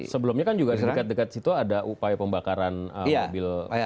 sebelumnya kan juga di dekat dekat situ ada upaya pembakaran mobil